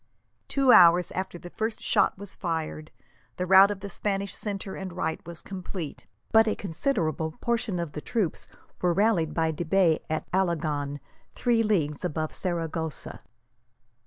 Two hours after the first shot was fired, the rout of the Spanish centre and right was complete, but a considerable portion of the troops were rallied by de Bay at Alagon, three leagues above Saragossa.